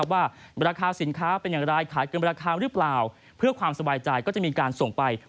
ว่าราคาสินค้าเป็นอย่างไรขายเกินราคาหรือเปล่าเพื่อความสบายใจก็จะมีการส่งไป